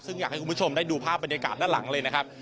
ซึ่งอยากให้คุณผู้ชมได้ดูภาพบรรยากาศด้านหลังเลยนะครับ